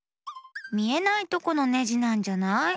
みえないとこのネジなんじゃない？